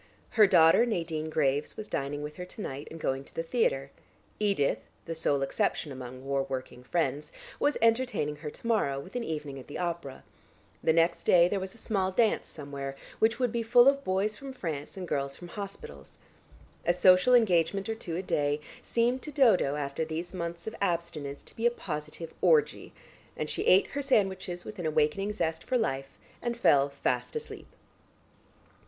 Her daughter Nadine Graves was dining with her to night and going to the theatre; Edith (the sole exception among war working friends) was entertaining her to morrow with an evening at the opera; the next day there was a small dance somewhere, which would be full of boys from France and girls from hospitals. A social engagement or two a day, seemed to Dodo after these months of abstinence to be a positive orgy, and she ate her sandwiches with an awakening zest for life, and fell fast asleep.